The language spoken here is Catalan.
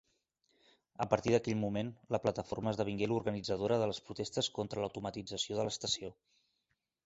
A partir d'aquell moment, la plataforma esdevingué l'organitzadora de les protestes contra l'automatització de l'estació.